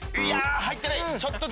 入ってない。